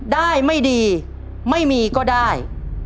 ได้ไม่ดีไม่มีก็ได้